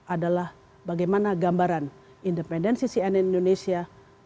adalah bagaimana gambaran independensi cnn indonesia